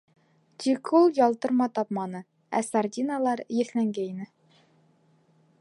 Тик ул ялтырма тапманы, ә сардиналар еҫләнгәйне.